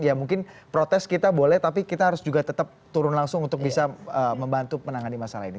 ya mungkin protes kita boleh tapi kita harus juga tetap turun langsung untuk bisa membantu menangani masalah ini